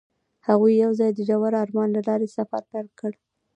هغوی یوځای د ژور آرمان له لارې سفر پیل کړ.